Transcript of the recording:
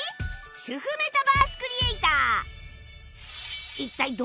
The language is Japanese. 主婦メタバースクリエイター